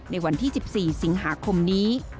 ในวันที่๑๔สิงหาคมนี้